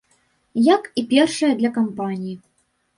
Як і першая, для кампаніі.